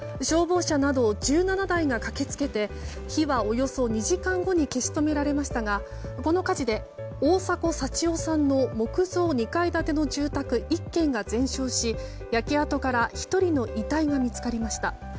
消防車など１７台が駆けつけて火はおよそ２時間後に消し止められましたがこの火事で大迫幸男さんの木造２階建ての住宅１軒が全焼し、焼け跡から１人の遺体が見つかりました。